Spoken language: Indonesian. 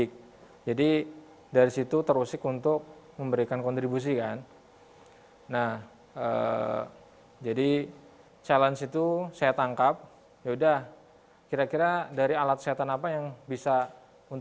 kami juga akan membuat sampel sampel dari covid sembilan belas